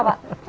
benar nggak pak